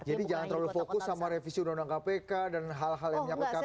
jadi jangan terlalu fokus sama revisi undang undang kpk dan hal hal yang menyambut kpk